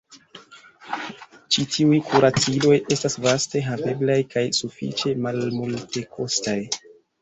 Ĉi tiuj kuraciloj estas vaste haveblaj kaj sufiĉe malmultekostaj.